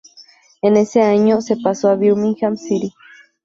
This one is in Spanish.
En ese año se pasó a Birmingham City.